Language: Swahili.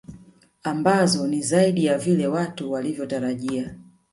Ambazo ni zaidi ya vile watu walivyotarajia